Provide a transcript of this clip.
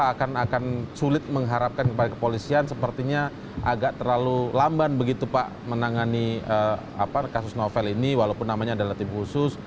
apakah akan sulit mengharapkan kepada kepolisian sepertinya agak terlalu lamban begitu pak menangani kasus novel ini walaupun namanya adalah tim khusus